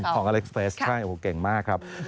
ของอเล็กซ์เฟสใช่โอ้โหเก่งมากครับ